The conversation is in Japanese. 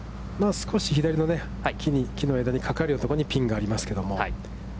少し左の木の枝にかかるようなところにピンがありますけども。